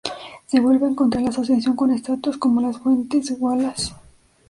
Se vuelve a encontrar la asociación con estatuas como las fuentes Wallace.